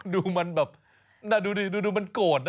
ดูมันแบบดูดิดูมันโกรธนะ